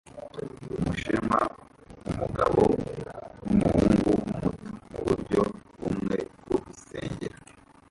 Umushinwa + umugabo numuhungu muto muburyo bumwe bwo gusengera